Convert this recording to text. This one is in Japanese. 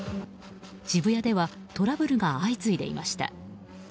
渋谷ではトラブルが相次いでいました。